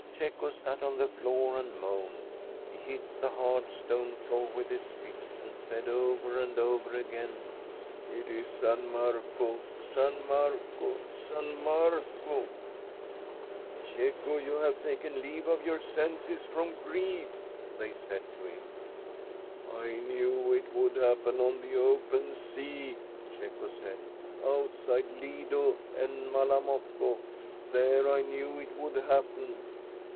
Cecco sat on the floor and moaned. He hit the hard stone floor with his fist, and said over and over again :* It is San Marco, San Marco, San Marco !'* Cecco, you have taken leave of your senses from grief,' they said to him. * I knew it would happen on the open sea,' Cecco said; 'outside Lido and Malamocco, there, I knew it would happen.